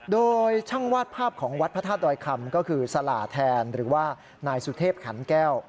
โดยช่างวาดภาพของวัดพระธาตุดอยคำก็คือสลาแทนหรือว่านายสุเทพขันแก้ว